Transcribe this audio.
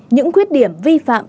những khuyết điểm vi phạm